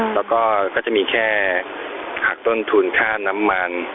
และแค่หักคอมพลุต้นค่าน้ำมัน